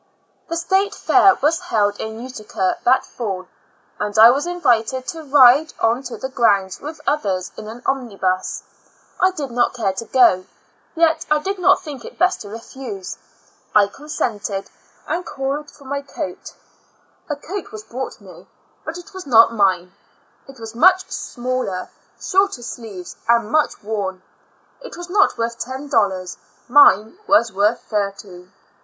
. The State Fair was held in Utica that fall, and I was invited to ride on to the grounds, with others, in an omnibus. I did not care to go, yet I did not think it best to refuse; I consented and called for my coat; a coat was brought me, but it was not mine; it was much smaller, shorter sleeves, and much worn; it was not worth ten dol lars; mine was worth thirty.